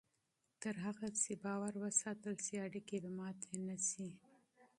تر هغه چې باور وساتل شي، اړیکې به ماتې نه شي.